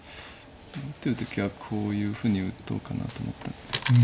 打ってる時はこういうふうに打とうかなと思ったんですけど。